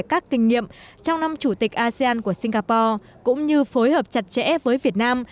các kinh nghiệm trong năm chủ tịch asean của singapore cũng như phối hợp chặt chẽ với việt nam